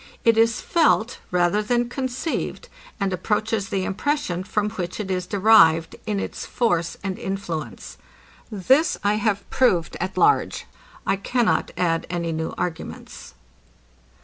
It is felt, rather than conceived, and approaches the impression, from which it is derived, in its force and influence. This I have proved at large. I cannot add any new arguments.